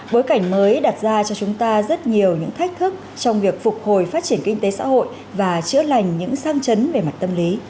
bối cảnh mới đặt ra cho chúng ta rất nhiều những thách thức trong việc phục hồi phát triển kinh tế xã hội và chữa lành những sang chấn về mặt tâm lý